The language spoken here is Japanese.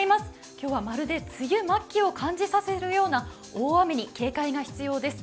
今日はまるで梅雨末期を感じさせるような大雨に警戒が必要です。